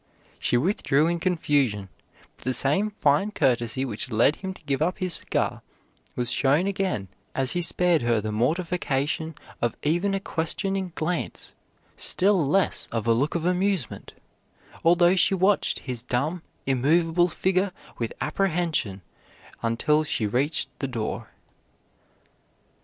She withdrew in confusion, but the same fine courtesy which led him to give up his cigar was shown again as he spared her the mortification of even a questioning glance, still less of a look of amusement, although she watched his dumb, immovable figure with apprehension until she reached the door.